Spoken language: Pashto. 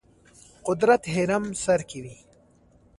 قدرت هرم سر کې وي.